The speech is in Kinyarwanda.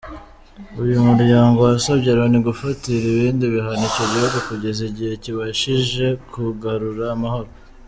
Uyu muryango wasabye Loni gufatira ibindi bihano icyo gihugu kugeza igihe kibashije kugarura amahoro.